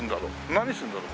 何するんだろう？